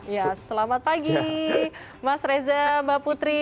ya selamat pagi mas reza mbak putri